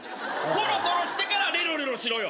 コロコロしてからレロレロしろよ！